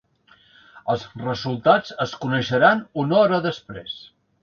Els resultats es coneixeran una hora després.